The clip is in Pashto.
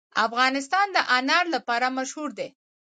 افغانستان د انار لپاره مشهور دی.